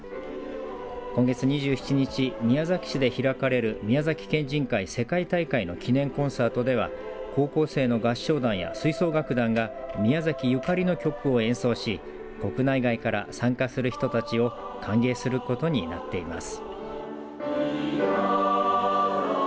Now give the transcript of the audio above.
今月２７日、宮崎市で開かれる宮崎県人会世界大会の記念コンサートでは高校生の合唱団や吹奏楽団が宮崎ゆかりの曲を演奏し国内外から参加する人たちを歓迎することになっています。